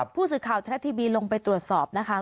ผู้สื่อข่าวทรัฐทีวีลงไปตรวจสอบนะคะ